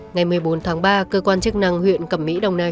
ngày một mươi bốn tháng ba cơ quan chức năng huyện cẩm mỹ đồng nai